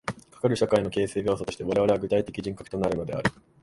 かかる社会の形成要素として我々は具体的人格となるのである。